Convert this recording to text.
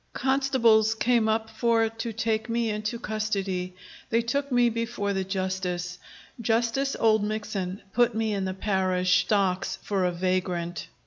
Constables came up for to take me into Custody; they took me before the justice; Justice Oldmixon put me in the parish Stocks for a vagrant.